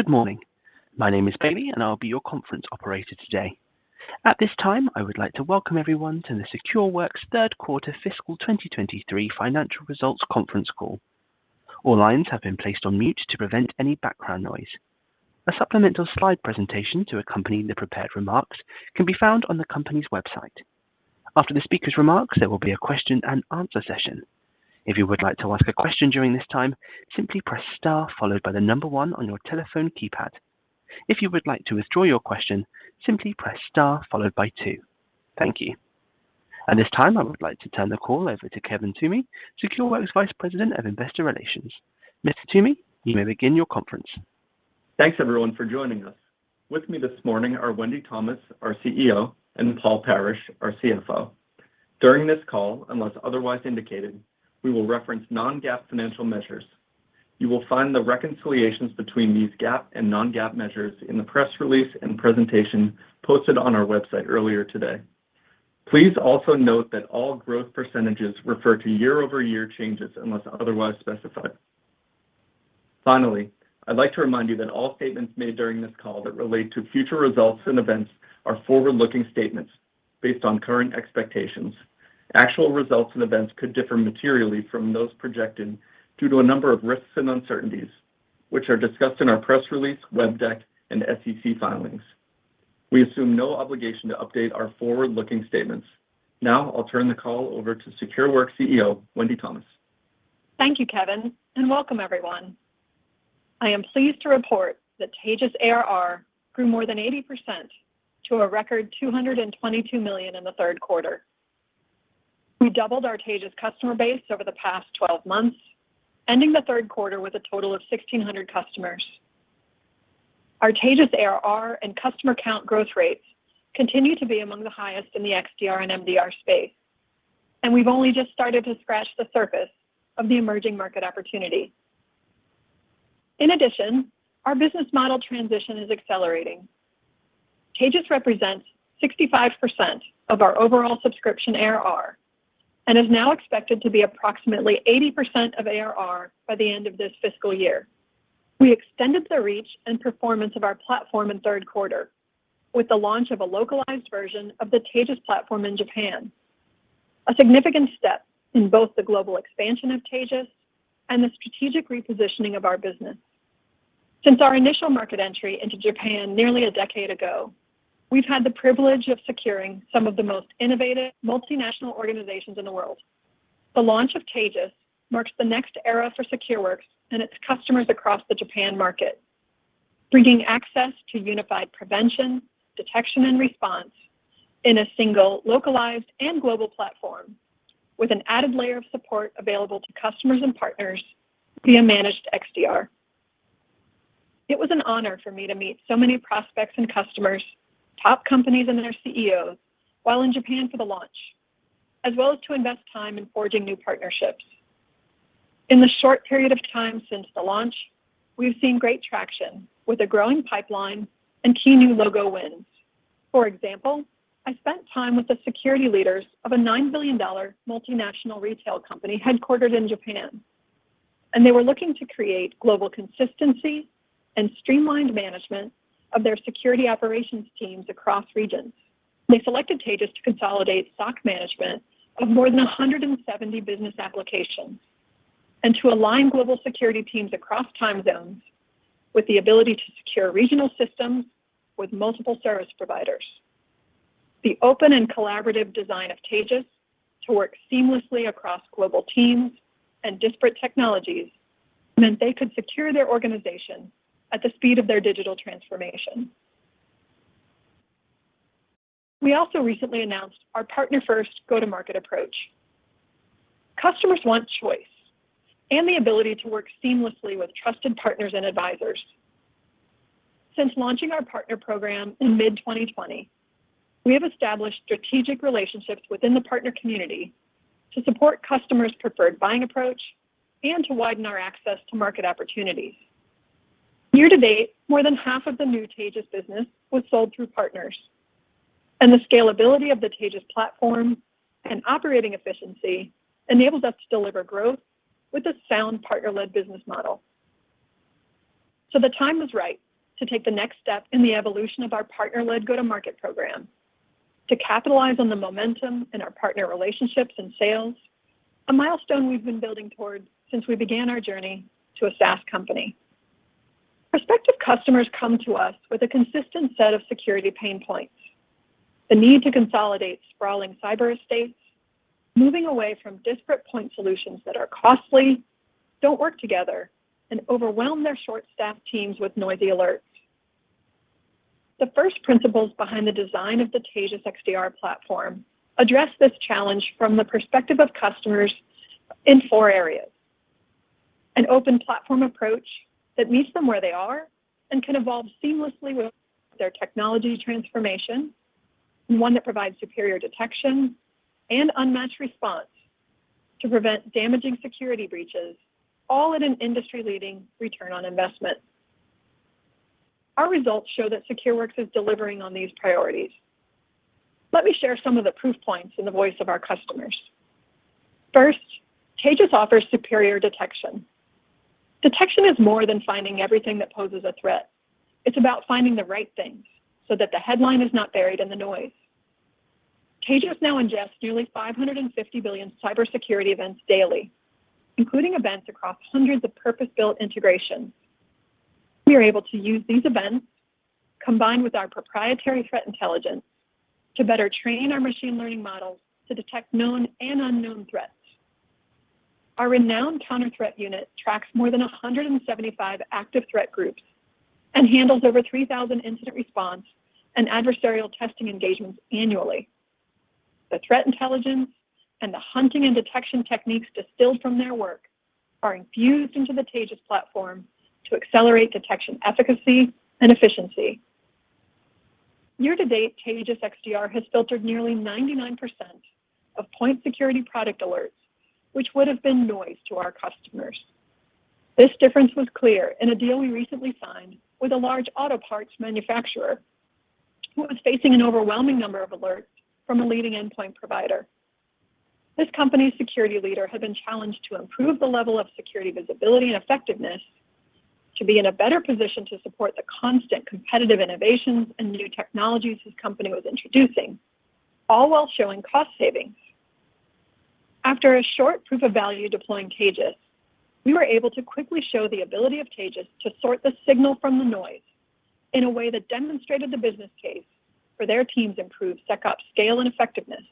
Good morning. My name is Bailey, and I'll be your conference operator today. At this time, I would like to welcome everyone to the Secureworks Third Quarter Fiscal 2023 Financial Results Conference Call. All lines have been placed on mute to prevent any background noise. A supplemental slide presentation to accompany the prepared remarks can be found on the company's website. After the speaker's remarks, there will be a question and answer session. If you would like to ask a question during this time, simply press star one on your telephone keypad. If you would like to withdraw your question, simply press star two. Thank you. At this time, I would like to turn the call over to Kevin Toomey, Secureworks Vice President of Investor Relations. Mr. Toomey, you may begin your conference. Thanks, everyone, for joining us. With me this morning are Wendy Thomas, our CEO, and Paul Parrish, our CFO. During this call, unless otherwise indicated, we will reference non-GAAP financial measures. You will find the reconciliations between these GAAP and non-GAAP measures in the press release and presentation posted on our website earlier today. Please also note that all growth percentages refer to year-over-year changes unless otherwise specified. Finally, I'd like to remind you that all statements made during this call that relate to future results and events are forward-looking statements based on current expectations. Actual results and events could differ materially from those projected due to a number of risks and uncertainties, which are discussed in our press release, web deck, and SEC filings. We assume no obligation to update our forward-looking statements. Now I'll turn the call over to Secureworks CEO, Wendy Thomas. Thank you, Kevin, and welcome everyone. I am pleased to report that Taegis ARR grew more than 80% to a record $222 million in the third quarter. We doubled our Taegis customer base over the past 12 months, ending the third quarter with a total of 1,600 customers. Our Taegis ARR and customer count growth rates continue to be among the highest in the XDR and MDR space, and we've only just started to scratch the surface of the emerging market opportunity. In addition, our business model transition is accelerating. Taegis represents 65% of our overall subscription ARR and is now expected to be approximately 80% of ARR by the end of this fiscal year. We extended the reach and performance of our platform in third quarter with the launch of a localized version of the Taegis platform in Japan, a significant step in both the global expansion of Taegis and the strategic repositioning of our business. Since our initial market entry into Japan nearly a decade ago, we've had the privilege of securing some of the most innovative multinational organizations in the world. The launch of Taegis marks the next era for Secureworks and its customers across the Japan market, bringing access to unified prevention, detection, and response in a single localized and global platform with an added layer of support available to customers and partners via managed XDR. It was an honor for me to meet so many prospects and customers, top companies and their CEOs while in Japan for the launch, as well as to invest time in forging new partnerships. In the short period of time since the launch, we've seen great traction with a growing pipeline and key new logo wins. For example, I spent time with the security leaders of a $9 billion multinational retail company headquartered in Japan. They were looking to create global consistency and streamlined management of their security operations teams across regions. They selected Taegis to consolidate SOC management of more than 170 business applications, to align global security teams across time zones with the ability to secure regional systems with multiple service providers. The open and collaborative design of Taegis to work seamlessly across global teams and disparate technologies meant they could secure their organization at the speed of their digital transformation. We also recently announced our partner first go-to market approach. Customers want choice. The ability to work seamlessly with trusted partners and advisors. Since launching our partner program in mid-2020, we have established strategic relationships within the partner community to support customers' preferred buying approach and to widen our access to market opportunities. Year-to-date, more than half of the new Taegis business was sold through partners, and the scalability of the Taegis platform and operating efficiency enables us to deliver growth with a sound partner-led business model. The time was right to take the next step in the evolution of our partner-led go-to-market program to capitalize on the momentum in our partner relationships and sales, a milestone we've been building towards since we began our journey to a SaaS company. Prospective customers come to us with a consistent set of security pain points, the need to consolidate sprawling cyber estates, moving away from disparate point solutions that are costly, don't work together, and overwhelm their short-staffed teams with noisy alerts. The first principles behind the design of the Taegis XDR platform address this challenge from the perspective of customers in four areas: an open platform approach that meets them where they are and can evolve seamlessly with their technology transformation, and one that provides superior detection and unmatched response to prevent damaging security breaches, all at an industry-leading return on investment. Our results show that Secureworks is delivering on these priorities. Let me share some of the proof points in the voice of our customers. First, Taegis offers superior detection. Detection is more than finding everything that poses a threat. It's about finding the right things so that the headline is not buried in the noise. Taegis now ingests nearly 550 billion cybersecurity events daily, including events across hundreds of purpose-built integrations. We are able to use these events, combined with our proprietary threat intelligence, to better train our machine learning models to detect known and unknown threats. Our renowned Counter Threat Unit tracks more than 175 active threat groups and handles over 3,000 incident response and adversarial testing engagements annually. The threat intelligence and the hunting and detection techniques distilled from their work are infused into the Taegis platform to accelerate detection efficacy and efficiency. Year to date, Taegis XDR has filtered nearly 99% of point security product alerts, which would have been noise to our customers. This difference was clear in a deal we recently signed with a large auto parts manufacturer who was facing an overwhelming number of alerts from a leading endpoint provider. This company's security leader had been challenged to improve the level of security, visibility, and effectiveness to be in a better position to support the constant competitive innovations and new technologies his company was introducing, all while showing cost savings. After a short proof of value deploying Taegis, we were able to quickly show the ability of Taegis to sort the signal from the noise in a way that demonstrated the business case for their team's improved SecOps scale and effectiveness.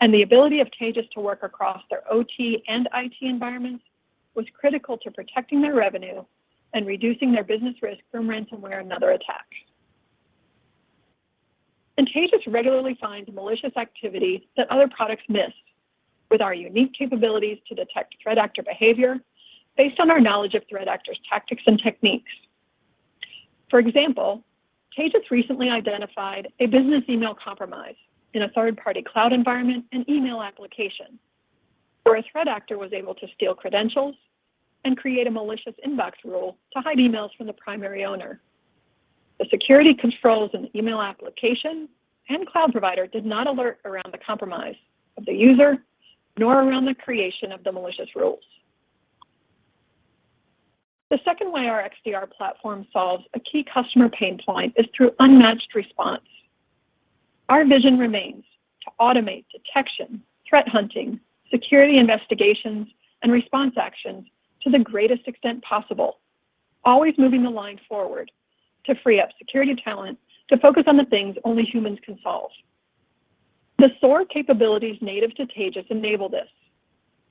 The ability of Taegis to work across their OT and IT environments was critical to protecting their revenue and reducing their business risk from ransomware and other attacks. Taegis regularly finds malicious activity that other products miss with our unique capabilities to detect threat actor behavior based on our knowledge of threat actors' tactics and techniques. For example, Taegis recently identified a business email compromise in a third-party cloud environment and email application, where a threat actor was able to steal credentials and create a malicious inbox rule to hide emails from the primary owner. The security controls and email application and cloud provider did not alert around the compromise of the user, nor around the creation of the malicious rules. The second way our XDR platform solves a key customer pain point is through unmatched response. Our vision remains to automate detection, threat hunting, security investigations, and response actions to the greatest extent possible, always moving the line forward to free up security talent to focus on the things only humans can solve. The SOAR capabilities native to Taegis enable this,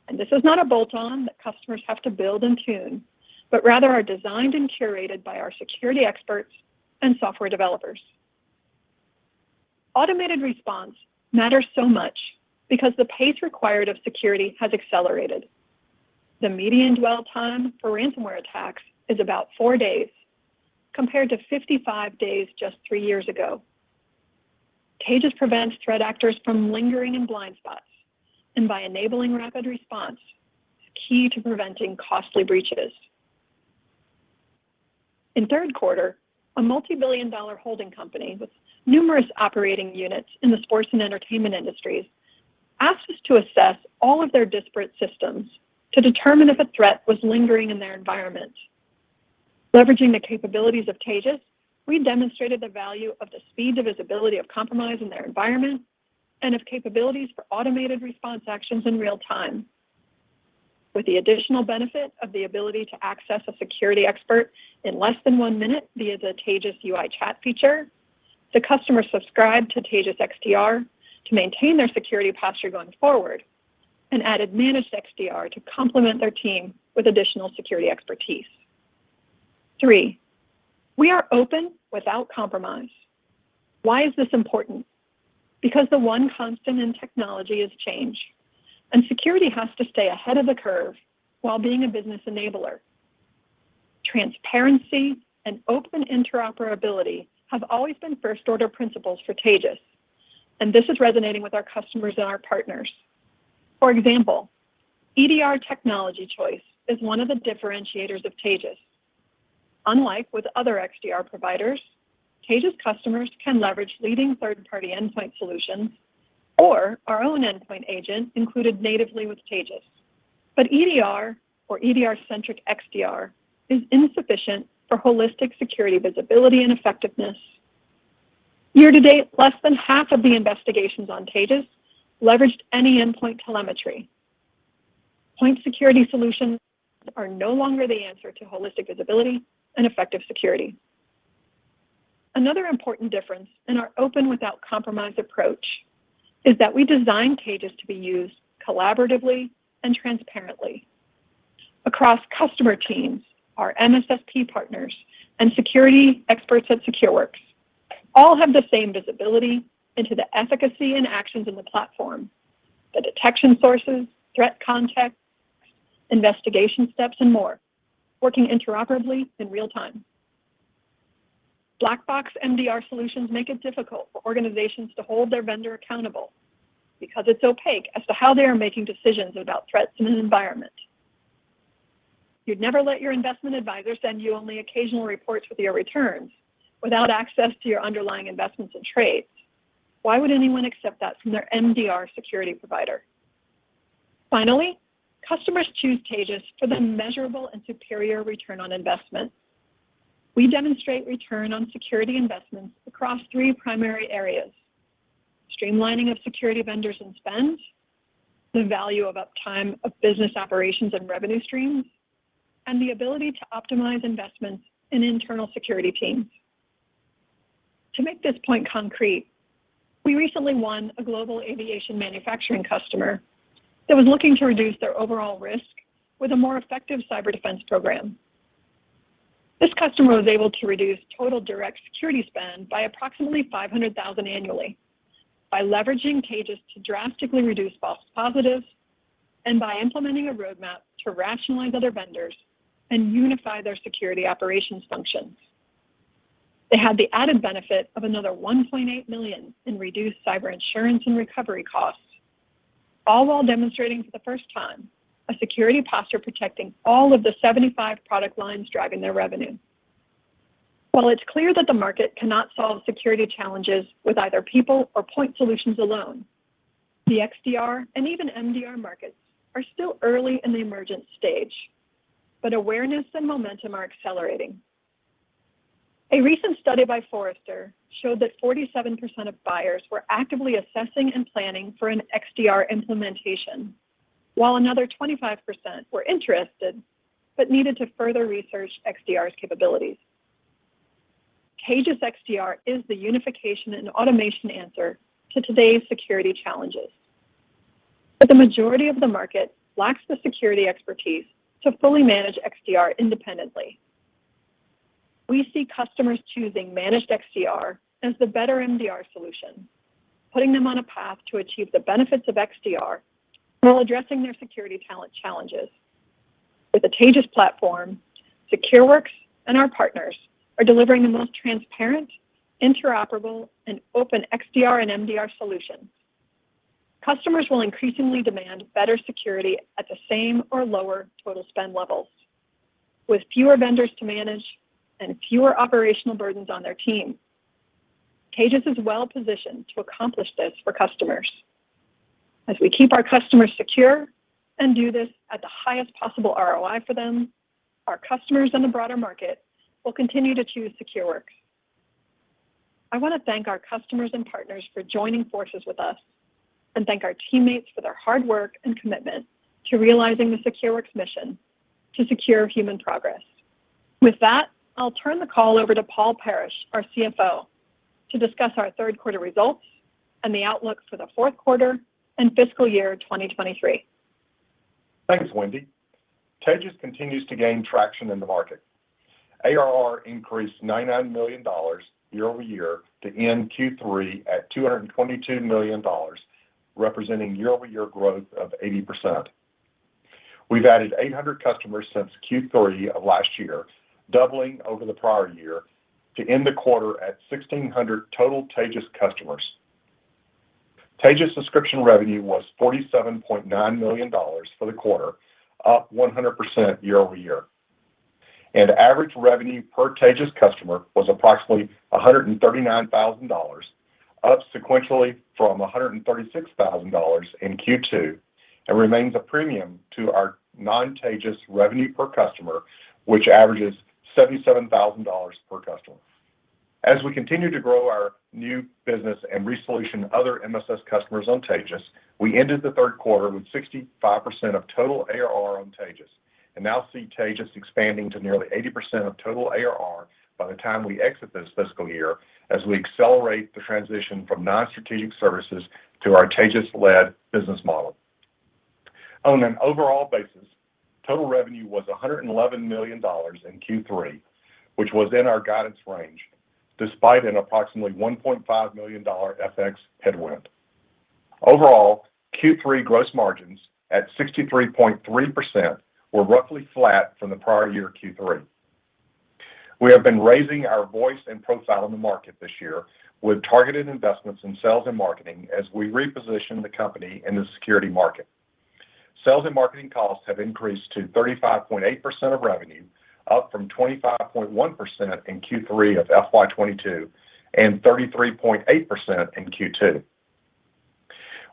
and this is not a bolt-on that customers have to build and tune, but rather are designed and curated by our security experts and software developers. Automated response matters so much because the pace required of security has accelerated. The median dwell time for ransomware attacks is about four days, compared to 55 days just three years ago. Taegis prevents threat actors from lingering in blind spots, and by enabling rapid response, is key to preventing costly breaches. In third quarter, a multi-billion dollar holding company with numerous operating units in the sports and entertainment industries asked us to assess all of their disparate systems to determine if a threat was lingering in their environment. Leveraging the capabilities of Taegis, we demonstrated the value of the speed to visibility of compromise in their environment and of capabilities for automated response actions in real time. With the additional benefit of the ability to access a security expert in less than one minute via the Taegis UI chat feature, the customer subscribed to Taegis XDR to maintain their security posture going forward and added managed XDR to complement their team with additional security expertise. Three, we are open without compromise. Why is this important? The one constant in technology is change, and security has to stay ahead of the curve while being a business enabler. Transparency and open interoperability have always been first-order principles for Taegis, and this is resonating with our customers and our partners. For example, EDR technology choice is one of the differentiators of Taegis. Unlike with other XDR providers, Taegis customers can leverage leading third-party endpoint solutions or our own endpoint agent included natively with Taegis. EDR or EDR-centric XDR is insufficient for holistic security, visibility, and effectiveness. Year to date, less than half of the investigations on Taegis leveraged any endpoint telemetry. Point security solutions are no longer the answer to holistic visibility and effective security. Another important difference in our open without compromise approach is that we design Taegis to be used collaboratively and transparently across customer teams, our MSSP partners, and security experts at Secureworks. All have the same visibility into the efficacy and actions in the platform, the detection sources, threat context, investigation steps, and more, working interoperably in real time. Black box MDR solutions make it difficult for organizations to hold their vendor accountable because it's opaque as to how they are making decisions about threats in an environment. You'd never let your investment advisor send you only occasional reports with your returns without access to your underlying investments and trades. Why would anyone accept that from their MDR security provider? Customers choose Taegis for the measurable and superior return on investment. We demonstrate return on security investments across three primary areas, streamlining of security vendors and spend, the value of uptime of business operations and revenue streams, and the ability to optimize investments in internal security teams. To make this point concrete, we recently won a global aviation manufacturing customer that was looking to reduce their overall risk with a more effective cyber defense program. This customer was able to reduce total direct security spend by approximately $500,000 annually by leveraging Taegis to drastically reduce false positives and by implementing a roadmap to rationalize other vendors and unify their security operations functions. They had the added benefit of another $1.8 million in reduced cyber insurance and recovery costs, all while demonstrating for the first time a security posture protecting all of the 75 product lines driving their revenue. While it's clear that the market cannot solve security challenges with either people or point solutions alone, the XDR and even MDR markets are still early in the emergent stage. Awareness and momentum are accelerating. A recent study by Forrester showed that 47% of buyers were actively assessing and planning for an XDR implementation, while another 25% were interested but needed to further research XDR's capabilities. Taegis XDR is the unification and automation answer to today's security challenges, but the majority of the market lacks the security expertise to fully manage XDR independently. We see customers choosing managed XDR as the better MDR solution, putting them on a path to achieve the benefits of XDR while addressing their security talent challenges. With the Taegis platform, Secureworks and our partners are delivering the most transparent, interoperable, and open XDR and MDR solutions. Customers will increasingly demand better security at the same or lower total spend levels with fewer vendors to manage and fewer operational burdens on their teams. Taegis is well-positioned to accomplish this for customers. As we keep our customers secure and do this at the highest possible ROI for them, our customers in the broader market will continue to choose Secureworks. I want to thank our customers and partners for joining forces with us and thank our teammates for their hard work and commitment to realizing the Secureworks mission to secure human progress. With that, I'll turn the call over to Paul Parrish, our CFO, to discuss our third quarter results and the outlook for the fourth quarter and fiscal year 2023. Thanks, Wendy. Taegis continues to gain traction in the market. ARR increased $900 million year-over-year to end Q3 at $222 million, representing year-over-year growth of 80%. We've added 800 customers since Q3 of last year, doubling over the prior year to end the quarter at 1,600 total Taegis customers. Taegis subscription revenue was $47.9 million for the quarter, up 100% year-over-year. Average revenue per Taegis customer was approximately $139,000, up sequentially from $136,000 in Q2, and remains a premium to our non-Taegis revenue per customer, which averages $77,000 per customer. As we continue to grow our new business and resolution other MSS customers on Taegis, we ended the third quarter with 65% of total ARR on Taegis and now see Taegis expanding to nearly 80% of total ARR by the time we exit this fiscal year as we accelerate the transition from non-strategic services to our Taegis-led business model. On an overall basis, total revenue was $111 million in Q3, which was in our guidance range, despite an approximately $1.5 million FX headwind. Overall, Q3 gross margins at 63.3% were roughly flat from the prior year Q3. We have been raising our voice and profile in the market this year with targeted investments in sales and marketing as we reposition the company in the security market. Sales and marketing costs have increased to 35.8% of revenue, up from 25.1% in Q3 of FY 2022 and 33.8% in Q2.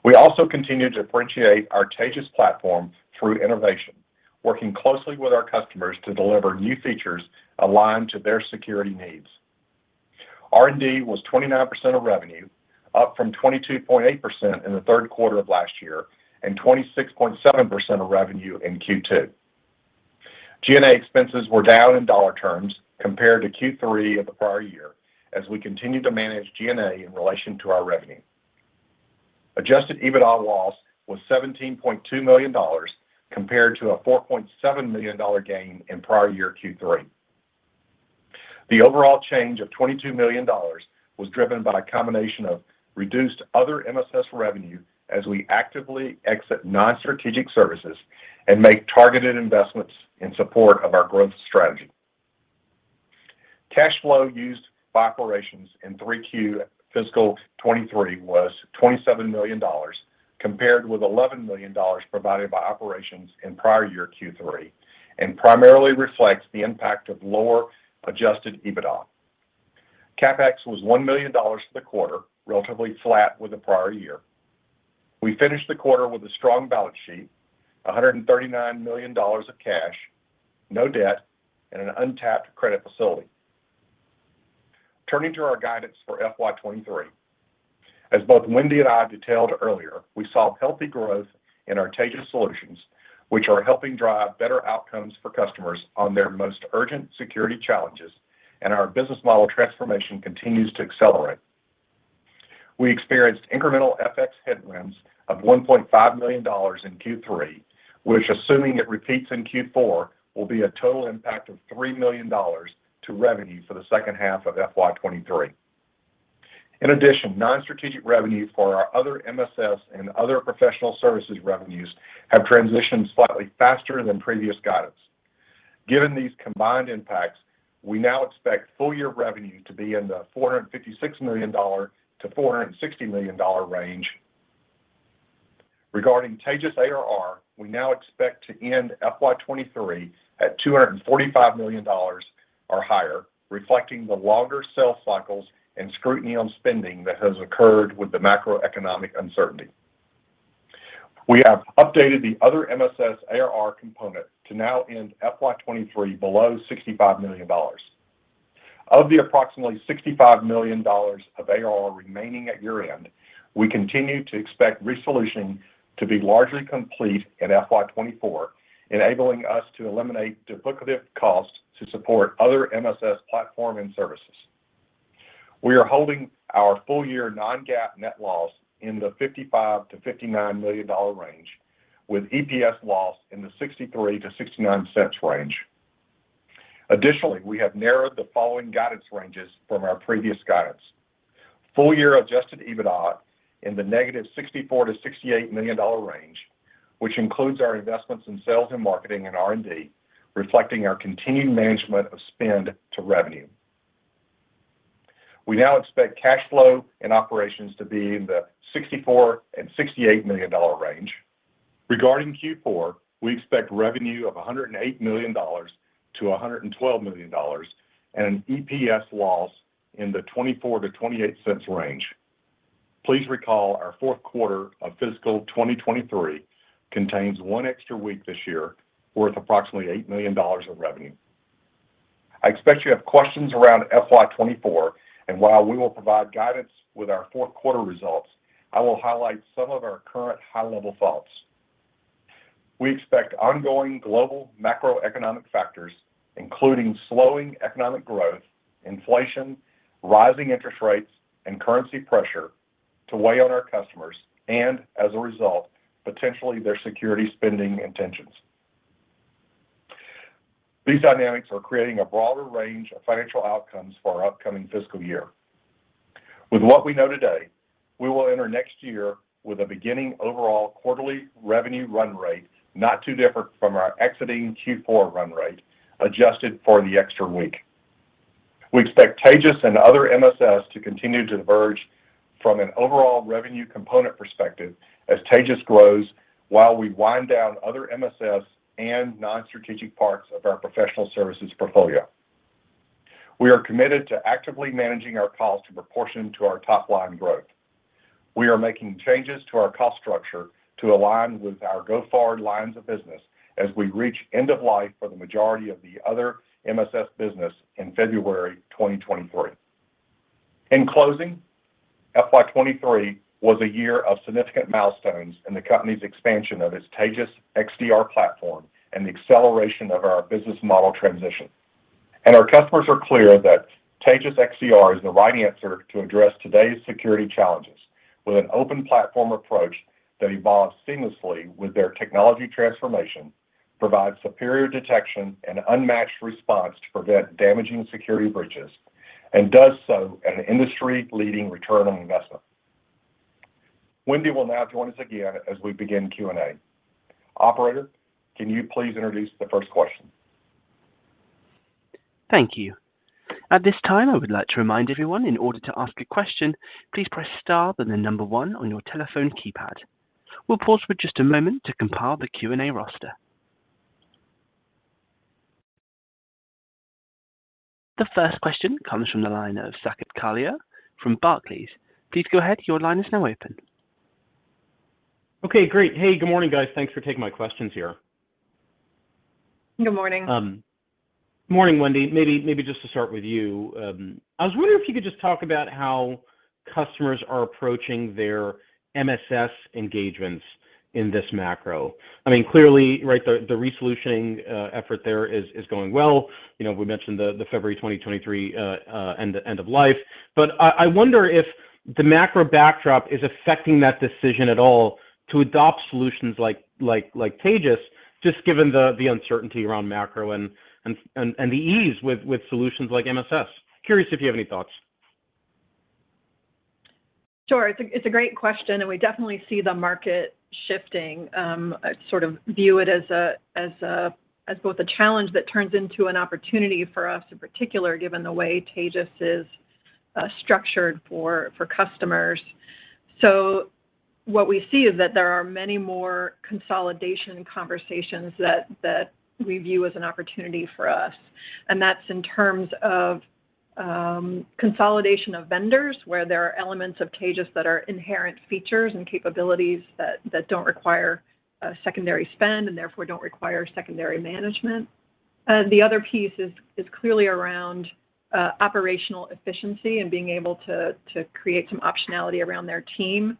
We also continue to differentiate our Taegis platform through innovation, working closely with our customers to deliver new features aligned to their security needs. R&D was 29% of revenue, up from 22.8% in the third quarter of last year and 26.7% of revenue in Q2. G&A expenses were down in dollar terms compared to Q3 of the prior year as we continue to manage G&A in relation to our revenue. Adjusted EBITDA loss was $17.2 million compared to a $4.7 million gain in prior year Q3. The overall change of $22 million was driven by a combination of reduced other MSS revenue as we actively exit non-strategic services and make targeted investments in support of our growth strategy. Cash flow used by operations in 3Q FY 2023 was $27 million compared with $11 million provided by operations in prior year Q3 and primarily reflects the impact of lower adjusted EBITDA. CapEx was $1 million for the quarter, relatively flat with the prior year. We finished the quarter with a strong balance sheet, $139 million of cash, no debt, and an untapped credit facility. Turning to our guidance for FY 2023. As both Wendy and I detailed earlier, we saw healthy growth in our Taegis solutions, which are helping drive better outcomes for customers on their most urgent security challenges, our business model transformation continues to accelerate. We experienced incremental FX headwinds of $1.5 million in Q3, which, assuming it repeats in Q4, will be a total impact of $3 million to revenue for the second half of FY 2023. Non-strategic revenues for our other MSS and other professional services revenues have transitioned slightly faster than previous guidance. Given these combined impacts, we now expect full year revenue to be in the $456 million-$460 million range. Regarding Taegis ARR, we now expect to end FY 2023 at $245 million or higher, reflecting the longer sales cycles and scrutiny on spending that has occurred with the macroeconomic uncertainty. We have updated the other MSS ARR component to now end FY 2023 below $65 million. Of the approximately $65 million of ARR remaining at year-end, we continue to expect re-solutioning to be largely complete in FY 2024, enabling us to eliminate duplicative costs to support other MSS platform and services. We are holding our full year non-GAAP net loss in the $55 million-$59 million range with EPS loss in the $0.63-$0.69 range. Additionally, we have narrowed the following guidance ranges from our previous guidance. Full year adjusted EBITDA in the negative $64 million-$68 million range, which includes our investments in sales and marketing and R&D, reflecting our continued management of spend to revenue. We now expect cash flow and operations to be in the $64 million-$68 million range. Regarding Q4, we expect revenue of $108 million-$112 million and an EPS loss in the $0.24-$0.28 range. Please recall our fourth quarter of fiscal 2023 contains one extra week this year, worth approximately $8 million of revenue. I expect you have questions around FY 2024, while we will provide guidance with our fourth quarter results, I will highlight some of our current high-level thoughts. We expect ongoing global macroeconomic factors, including slowing economic growth, inflation, rising interest rates, and currency pressure to weigh on our customers and, as a result, potentially their security spending intentions. These dynamics are creating a broader range of financial outcomes for our upcoming fiscal year. With what we know today, we will enter next year with a beginning overall quarterly revenue run rate not too different from our exiting Q4 run rate, adjusted for the extra week. We expect Taegis and other MSS to continue to diverge from an overall revenue component perspective as Taegis grows while we wind down other MSS and non-strategic parts of our professional services portfolio. We are committed to actively managing our costs in proportion to our top-line growth. We are making changes to our cost structure to align with our go-forward lines of business as we reach end of life for the majority of the other MSS business in February 2024. In closing, FY 2023 was a year of significant milestones in the company's expansion of its Taegis XDR platform and the acceleration of our business model transition. Our customers are clear that Taegis XDR is the right answer to address today's security challenges with an open platform approach that evolves seamlessly with their technology transformation, provides superior detection and unmatched response to prevent damaging security breaches, and does so at an industry-leading return on investment. Wendy will now join us again as we begin Q&A. Operator, can you please introduce the first question? Thank you. At this time, I would like to remind everyone in order to ask a question, please press star and then one on your telephone keypad. We'll pause for just a moment to compile the Q&A roster. The first question comes from the line of Saket Kalia from Barclays. Please go ahead. Your line is now open. Okay. Great. Hey, good morning, guys. Thanks for taking my questions here. Good morning. Morning, Wendy. Maybe, maybe just to start with you. I was wondering if you could just talk about how customers are approaching their MSS engagements in this macro. I mean, clearly, right, the re-solutioning effort there is going well. You know, we mentioned the February 2023 end of, end of life. I wonder if the macro backdrop is affecting that decision at all to adopt solutions like Taegis, just given the uncertainty around macro and, and the ease with solutions like MSS. Curious if you have any thoughts. Sure. It's a great question. We definitely see the market shifting. I sort of view it as both a challenge that turns into an opportunity for us in particular, given the way Taegis is structured for customers. What we see is that there are many more consolidation conversations that we view as an opportunity for us, and that's in terms of consolidation of vendors where there are elements of Taegis that are inherent features and capabilities that don't require secondary spend and therefore don't require secondary management. The other piece is clearly around operational efficiency and being able to create some optionality around their team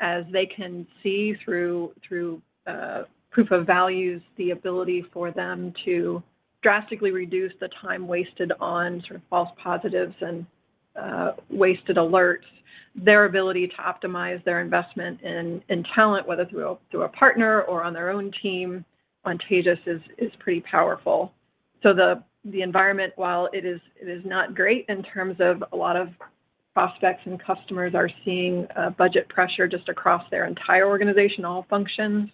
as they can see through proof of values, the ability for them to drastically reduce the time wasted on sort of false positives and wasted alerts. Their ability to optimize their investment in talent, whether through a partner or on their own team on Taegis is pretty powerful. The environment, while it is not great in terms of a lot of prospects and customers are seeing budget pressure just across their entire organization, all functions,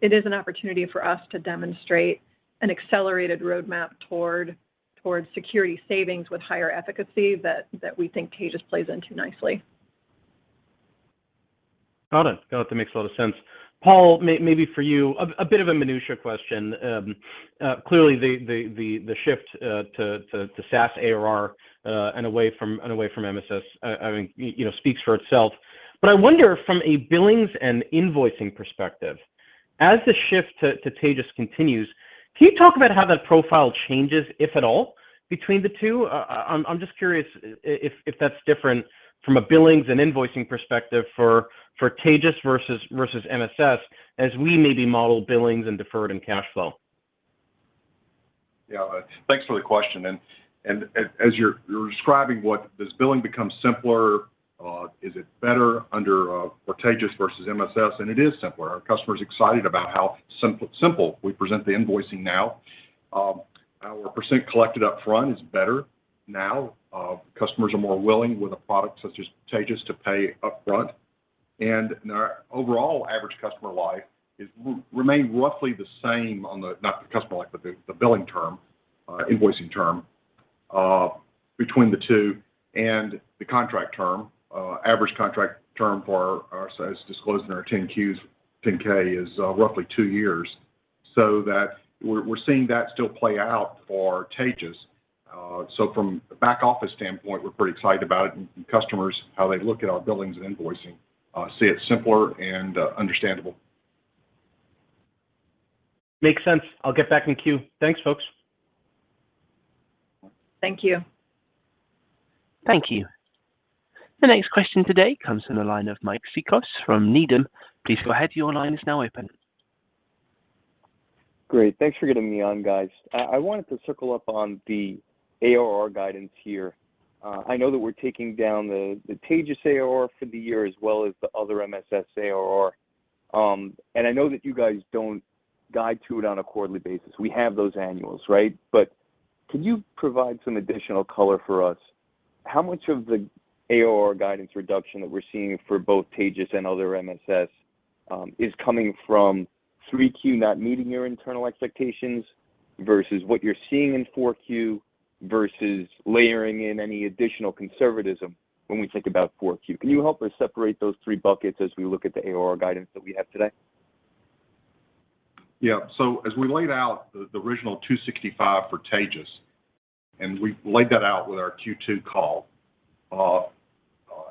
it is an opportunity for us to demonstrate an accelerated roadmap towards security savings with higher efficacy that we think Taegis plays into nicely. Got it. No, that makes a lot of sense. Paul, maybe for you, a bit of a minutia question. Clearly the shift to SaaS ARR and away from MSS, I mean, you know, speaks for itself. I wonder from a billings and invoicing perspective, as the shift to Taegis continues, can you talk about how that profile changes, if at all, between the two? I'm just curious if that's different from a billings and invoicing perspective for Taegis versus MSS as we maybe model billings and deferred and cash flow. Yeah. Thanks for the question. As you're describing what... Does billing become simpler? Is it better under Taegis versus MSS? It is simpler. Our customers are excited about how simple we present the invoicing now. Our percent collected upfront is better now. Customers are more willing with a product such as Taegis to pay upfront. Our overall average customer life is remain roughly the same on the-- not the customer life, but the billing term, invoicing term, between the two and the contract term. Average contract term for our, as disclosed in our 10-Qs, 10-K is roughly two years. That we're seeing that still play out for Taegis. From a back office standpoint, we're pretty excited about it. Customers, how they look at our billings and invoicing, see it simpler and understandable. Makes sense. I'll get back in queue. Thanks, folks. Thank you. Thank you. The next question today comes from the line of Mike Cikos from Needham. Please go ahead. Your line is now open. Great. Thanks for getting me on, guys. I wanted to circle up on the ARR guidance here. I know that we're taking down the Taegis ARR for the year as well as the other MSS ARR. I know that you guys don't guide to it on a quarterly basis. We have those annuals, right? Can you provide some additional color for us? How much of the ARR guidance reduction that we're seeing for both Taegis and other MSS is coming from 3Q not meeting your internal expectations versus what you're seeing in 4Q versus layering in any additional conservatism when we think about 4Q? Can you help us separate those three buckets as we look at the ARR guidance that we have today? Yeah. As we laid out the original $265 for Taegis, and we laid that out with our Q2 call,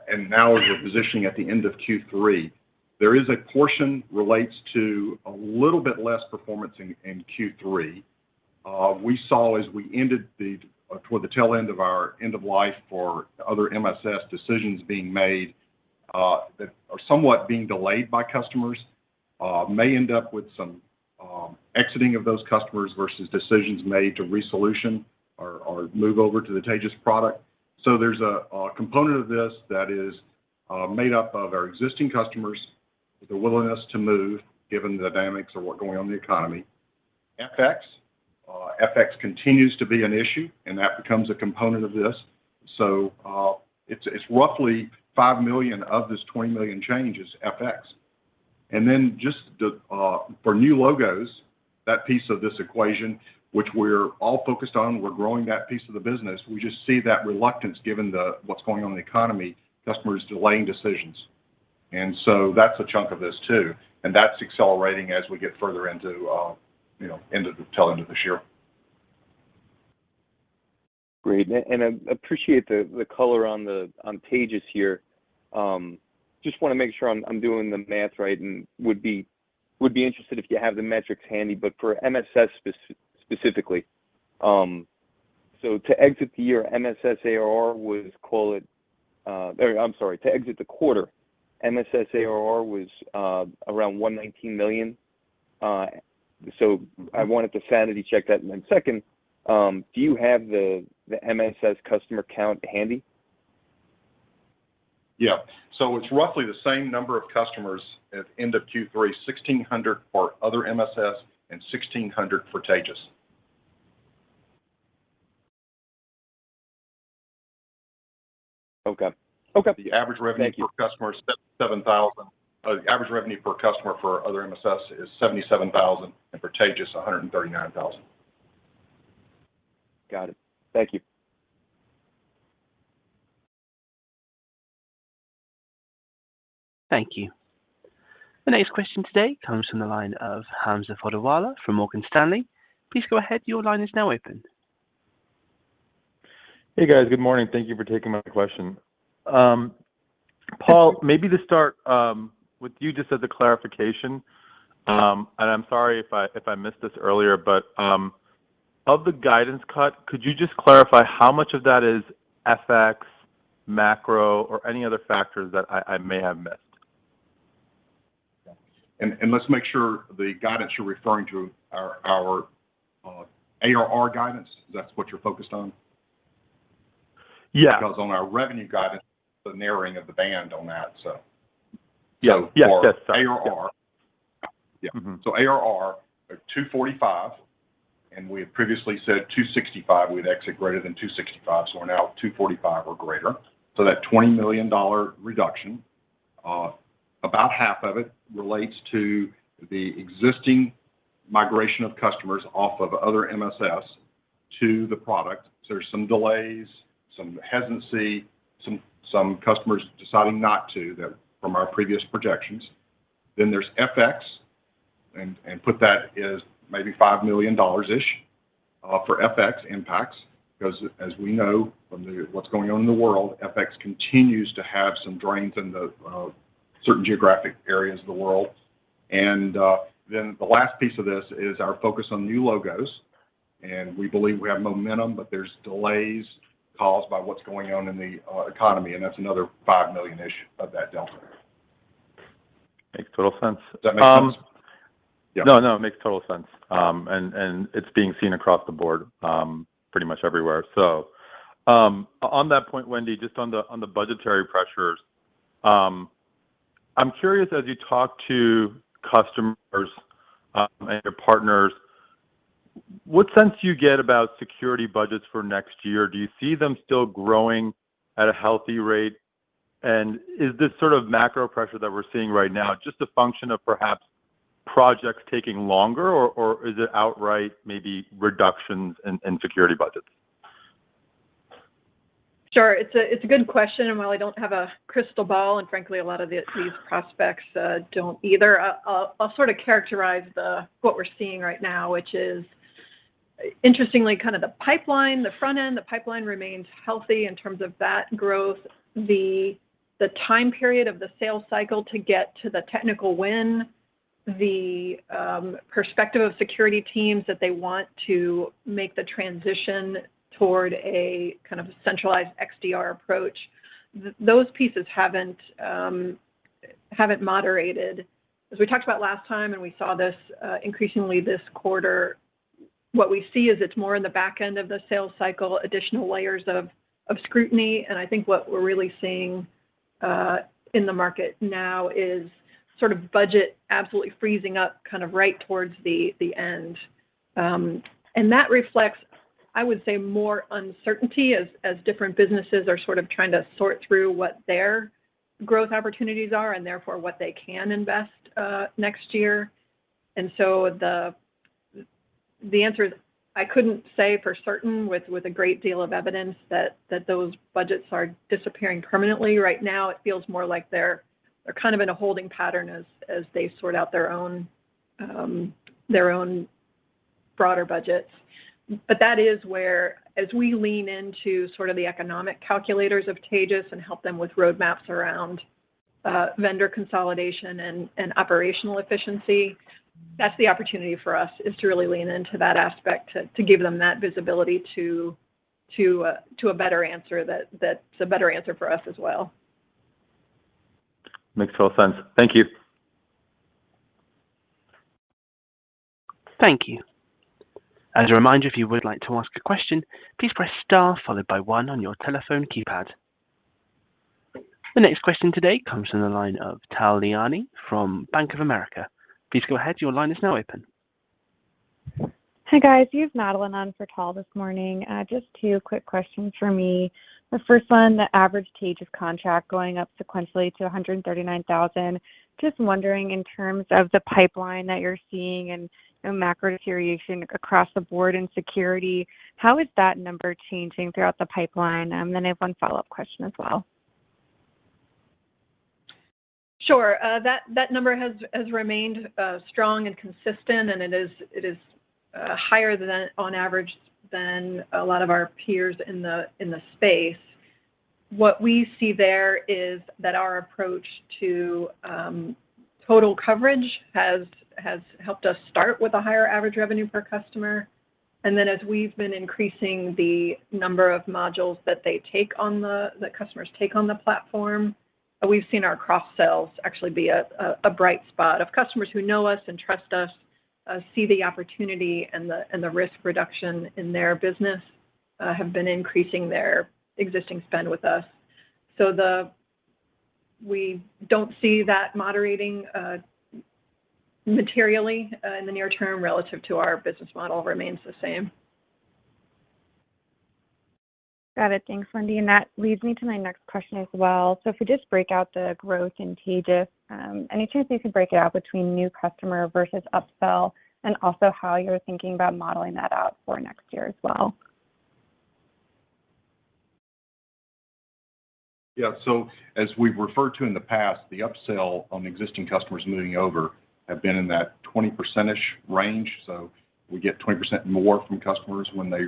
and now as we're positioning at the end of Q3, there is a portion relates to a little bit less performance in Q3. We saw as we ended toward the tail end of our end of life for other MSS decisions being made, that are somewhat being delayed by customers, may end up with some exiting of those customers versus decisions made to resolution or move over to the Taegis product. There's a component of this that is made up of our existing customers, their willingness to move given the dynamics of what's going on in the economy. FX continues to be an issue, and that becomes a component of this. It's roughly $5 million of this $20 million change is FX. Just the for new logos, that piece of this equation, which we're all focused on, we're growing that piece of the business. We just see that reluctance given what's going on in the economy, customers delaying decisions. That's a chunk of this too, and that's accelerating as we get further into, you know, into the tail end of this year. Great. I appreciate the color on Taegis here. Just wanna make sure I'm doing the math right, and would be interested if you have the metrics handy, but for MSS specifically. To exit the year, MSS ARR was, call it, or I'm sorry, to exit the quarter, MSS ARR was around $119 million. I wanted to sanity check that. Second, do you have the MSS customer count handy? Yeah. It's roughly the same number of customers at end of Q3, 1,600 for other MSS and 1,600 for Taegis. Okay. Okay. The average revenue per customer is $7,000. The average revenue per customer for other MSS is $77,000, and for Taegis $139,000. Got it. Thank you. Thank you. The next question today comes from the line of Hamza Fodderwala from Morgan Stanley. Please go ahead. Your line is now open. Hey, guys. Good morning. Thank you for taking my question. Paul, maybe to start with you just as a clarification, I'm sorry if I missed this earlier, but of the guidance cut, could you just clarify how much of that is FX, macro, or any other factors that I may have missed? Let's make sure the guidance you're referring to are our ARR guidance. That's what you're focused on? Yeah. On our revenue guidance, the narrowing of the band on that. Yeah. Yes. Yes. for ARR. Yeah. Mm-hmm. ARR of $245 million, and we had previously said $265 million. We'd exit greater than $265 million, we're now $245 million or greater. That $20 million reduction, about half of it relates to the existing migration of customers off of other MSS to the product. There's some delays, some hesitancy, some customers deciding not to that from our previous projections. There's FX, put that as maybe $5 million-ish for FX impacts. Because as we know from what's going on in the world, FX continues to have some drains in certain geographic areas of the world. The last piece of this is our focus on new logos, and we believe we have momentum, but there's delays caused by what's going on in the economy, and that's another $5 million-ish of that delta. Makes total sense. Does that make sense? Yeah. No, no, it makes total sense. It's being seen across the board, pretty much everywhere. On that point, Wendy, just on the budgetary pressures, I'm curious as you talk to customers, and your partners, what sense do you get about security budgets for next year? Do you see them still growing at a healthy rate? Is this sort of macro pressure that we're seeing right now just a function of perhaps projects taking longer, or is it outright maybe reductions in security budgets? Sure. It's a good question. While I don't have a crystal ball, and frankly a lot of these prospects don't either, I'll sort of characterize what we're seeing right now, which is interestingly kind of the pipeline, the front end, the pipeline remains healthy in terms of that growth. The time period of the sales cycle to get to the technical win, the perspective of security teams that they want to make the transition toward a kind of centralized XDR approach, those pieces haven't moderated. As we talked about last time, and we saw this increasingly this quarter, what we see is it's more in the back end of the sales cycle, additional layers of scrutiny. I think what we're really seeing in the market now is sort of budget absolutely freezing up kind of right towards the end. That reflects, I would say, more uncertainty as different businesses are sort of trying to sort through what their growth opportunities are, and therefore what they can invest next year. The answer is I couldn't say for certain with a great deal of evidence that those budgets are disappearing permanently right now. It feels more like they're kind of in a holding pattern as they sort out their own broader budgets. That is where as we lean into sort of the economic calculators of Taegis and help them with roadmaps around vendor consolidation and operational efficiency, that's the opportunity for us, is to really lean into that aspect to give them that visibility to a better answer that's a better answer for us as well. Makes total sense. Thank you. Thank you. As a reminder, if you would like to ask a question, please press star followed by one on your telephone keypad. The next question today comes from the line of Tal Liani from Bank of America. Please go ahead. Your line is now open. Hi, guys. You have Madeline on for Tal this morning. Just two quick questions from me. The first one, the average Taegis contract going up sequentially to $139,000. Just wondering in terms of the pipeline that you're seeing and, you know, macro deterioration across the board in security, how is that number changing throughout the pipeline? I have one follow-up question as well. Sure. That number has remained strong and consistent, and it is higher than on average than a lot of our peers in the space. What we see there is that our approach to total coverage has helped us start with a higher average revenue per customer. As we've been increasing the number of modules that they take on the customers take on the platform, we've seen our cross sales actually be a bright spot of customers who know us and trust us, see the opportunity and the risk reduction in their business, have been increasing their existing spend with us. We don't see that moderating materially in the near term relative to our business model remains the same. Got it. Thanks, Wendy. That leads me to my next question as well. If we just break out the growth in Taegis, any chance you could break it out between new customer versus upsell, and also how you're thinking about modeling that out for next year as well? Yeah. As we've referred to in the past, the upsell on existing customers moving over have been in that 20%-ish range. We get 20% more from customers when they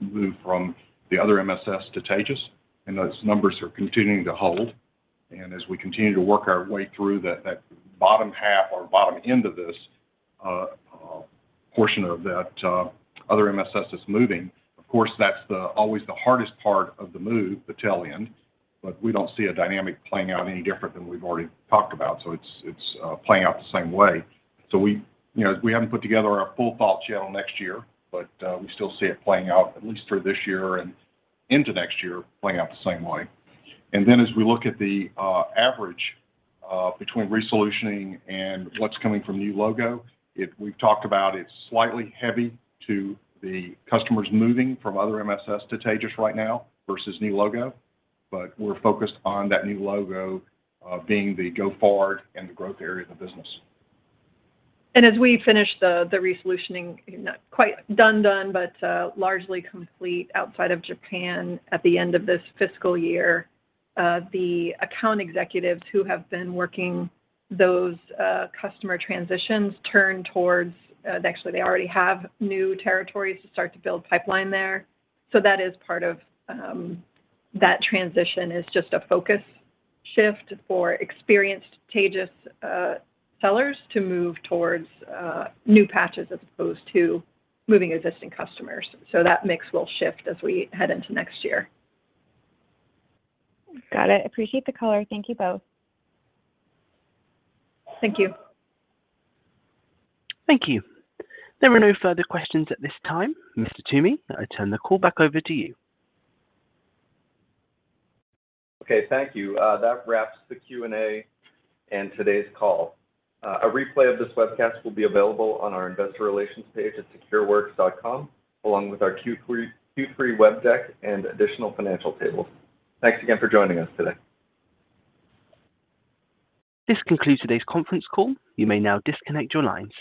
move from the other MSS to Taegis, and those numbers are continuing to hold. As we continue to work our way through that bottom half or bottom end of this portion of that other MSS that's moving, of course, that's the always the hardest part of the move, the tail end, but we don't see a dynamic playing out any different than we've already talked about. It's playing out the same way. We, you know, we haven't put together a full thought channel next year, but we still see it playing out at least through this year and into next year, playing out the same way. As we look at the average between resolutioning and what's coming from new logo, we've talked about it's slightly heavy to the customers moving from other MSS to Taegis right now versus new logo. We're focused on that new logo, being the go forward and the growth area of the business. As we finish the resolutioning, not quite done, but largely complete outside of Japan at the end of this fiscal year, the account executives who have been working those customer transitions turn towards, actually they already have new territories to start to build pipeline there. That is part of that transition is just a focus shift for experienced Taegis sellers to move towards new patches as opposed to moving existing customers. That mix will shift as we head into next year. Got it. Appreciate the color. Thank you both. Thank you. Thank you. There are no further questions at this time. Mr. Toomey, I turn the call back over to you. Okay, thank you. That wraps the Q&A and today's call. A replay of this webcast will be available on our investor relations page at secureworks.com, along with our Q3 web deck and additional financial tables. Thanks again for joining us today. This concludes today's conference call. You may now disconnect your lines.